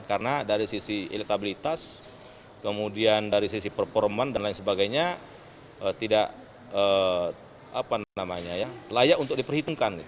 karena dari sisi elektabilitas kemudian dari sisi performa dan lain sebagainya tidak layak untuk diperhitungkan